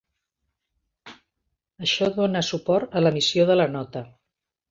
Això dona suport a l'emissió de la nota.